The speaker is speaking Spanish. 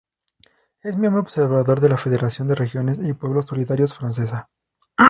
Es miembro observador de la Federación de Regiones y Pueblos Solidarios francesa.